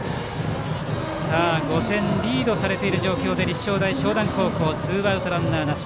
５点リードされている状況で立正大淞南高校ツーアウト、ランナーなし。